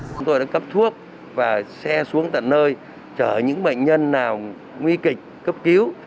chúng tôi đã cấp thuốc và xe xuống tận nơi chở những bệnh nhân nào nguy kịch cấp cứu